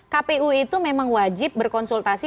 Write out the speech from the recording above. kpu itu memang wajib berkonsultasi